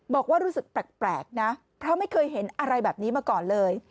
บอกว่ารู้สึกแปลกนะเพราะไม่เคยเห็นอะไรแบบนี้มาก่อนเลย